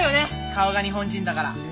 顔が日本人だから。